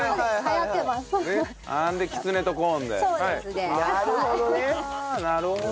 ああなるほどね。